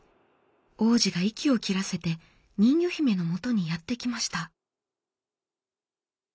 王子が息を切らせて人魚姫のもとにやって来ました。